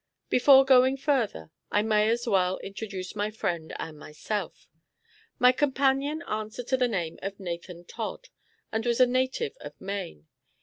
Before going further, I may as well introduce my friend and myself. My companion answered to the name of Nathan Todd, and was a native of Maine.